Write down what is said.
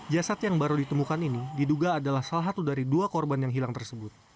jasad yang baru ditemukan ini diduga adalah salah satu dari dua korban yang hilang tersebut